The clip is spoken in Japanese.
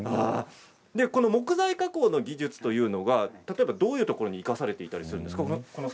木材加工の技術というのは例えばどういうところに生かされたりするんですか？